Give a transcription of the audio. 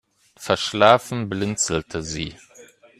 Verschlafen blinzelte sie.